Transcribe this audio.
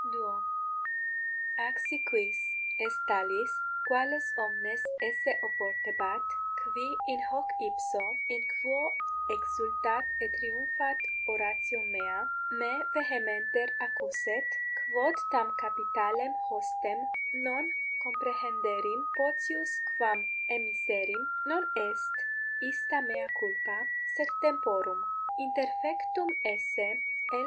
_ =2.= Ac si quis est talis, quales omnes esse oportebat, qui in 3 hoc ipso, in quo exsultat et triumphat oratio mea, me vehementer accuset, quod tam capitalem hostem non comprehenderim potius quam emiserim, non est ista mea culpa, sed temporum. Interfectum esse L.